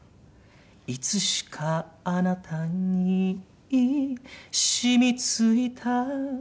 「いつしかあなたにしみついた」